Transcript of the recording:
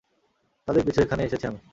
তাদের পিছু এখানে এসেছি আমি।